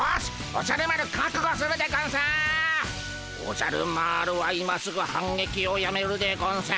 おじゃる丸は今すぐ反撃をやめるでゴンス。